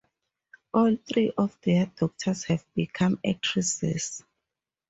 All three of their daughters have become actresses.